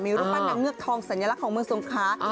มีรูปปั้นนางเงือกทองสัญลักษณ์ของเมืองสงครา